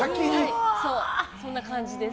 そんな感じです。